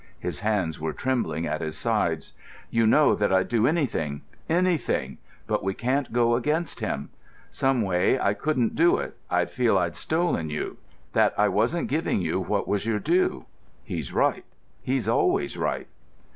His hands were trembling at his sides. "You know that I'd do anything—anything—but we can't go against him. Someway I couldn't do it—I'd feel I'd stolen you—that I wasn't giving you what was your due. He's right; he's always right."